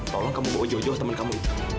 tolong kamu bawa jojo ke teman kamu